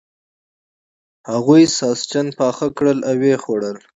هغوی ساسچن پاخه کړل او و یې خوړل.